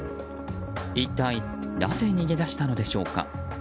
一体なぜ逃げだしたのでしょうか。